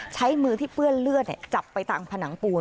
ใช้มือที่เปื้อนเลือดจับไปตามผนังปูน